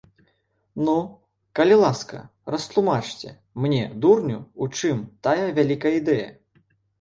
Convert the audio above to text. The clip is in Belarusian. Ну, калі ласка, растлумачце, мне, дурню, у чым тая вялікая ідэя.